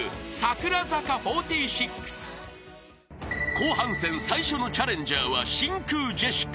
［後半戦最初のチャレンジャーは真空ジェシカ］